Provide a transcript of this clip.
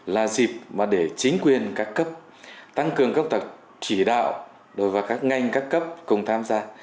là dịp để chính quyền các cấp tăng cường các tập chỉ đạo và các ngành các cấp cùng tham gia